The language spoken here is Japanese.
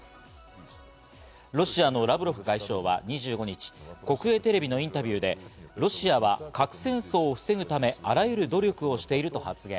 ロシアのラブロフ外相は２５日、国営テレビのインタビューでロシアは核戦争を防ぐため、あらゆる努力をしていると発言。